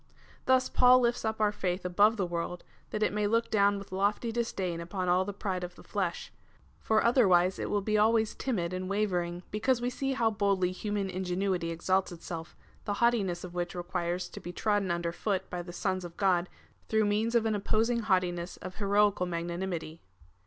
Thus Paul lifts up our faith above the world, that it may look down with lofty disdain upon all the pride of the flesh ; for otherwise it will be always timid and wavering, because we see how boldly human ingenuity exalts itself, the haugh tiness of which requires to be trodden under foot by the sons of God through means of an opposing haughtiness of heroi cal magnanimity.